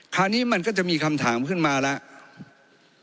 คราวนี้มันก็จะมีคำถามขึ้นมาแล้ว